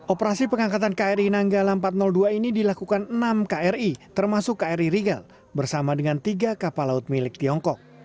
operasi pengangkatan kri nanggala empat ratus dua ini dilakukan enam kri termasuk kri rigel bersama dengan tiga kapal laut milik tiongkok